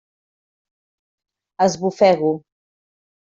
Esbufego.